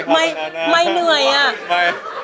ไม่เหนื่อยอ่ะ